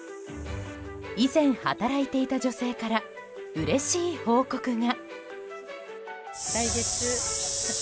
以前働いていた女性からうれしい報告が。